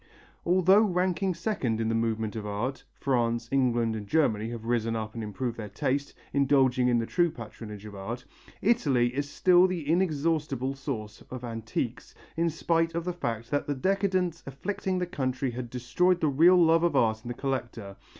Although ranking second in the movement of art France, England and Germany have risen up and improved their taste, indulging in the true patronage of art Italy is still the inexhaustible source of antiques, in spite of the fact that the decadence afflicting the country had destroyed the real love of art in the collector.